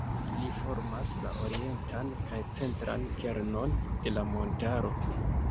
Ili formas la orientan kaj centran kernon de la montaro.